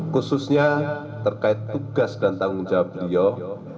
khususnya terkait tugas dan tanggung jawab beliau